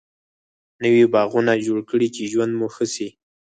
نوي باغوانه جوړ کړي چی ژوند مو ښه سي